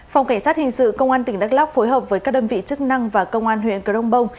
phòng cảnh sát hình sự công an tỉnh đắk lóc phối hợp với các đơn vị chức năng và công an huyện crong bông